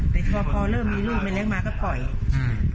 แต่พอพอเริ่มมีลูกไม่เลี้ยงมาก็ปล่อยอ่า